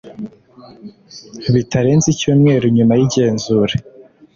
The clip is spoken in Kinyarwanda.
bitarenze icyumweru nyuma y igenzura